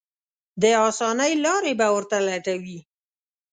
د اسانۍ لارې به ورته لټوي.